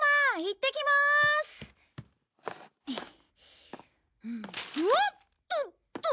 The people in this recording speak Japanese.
っとっと。